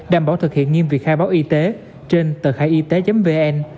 đảm bảo thực hiện nghiêm việc khai báo y tế trên tờ khai y tế vn